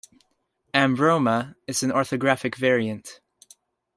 "Ambroma" is an orthographic variant.